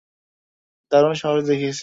দারুন সাহস দেখিয়েছেন।